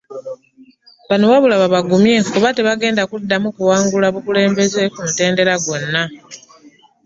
Bano wabula babagumye kuba tebagenda kuddamu kuwangula bukulembeze ku mutendera gwonna.